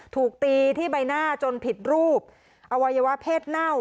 ถูกตีที่ใบหน้าจนผิดรูปอวัยวะเพศเน่า